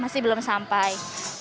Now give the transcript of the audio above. masih belum sampai